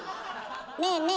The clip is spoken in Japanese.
ねえねえ